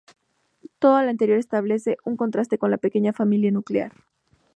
Todo lo anterior establece un contraste con la pequeña familia nuclear.